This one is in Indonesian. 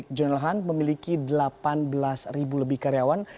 perusahaan milik jonel hunt memiliki delapan belas ribu lebih karyawan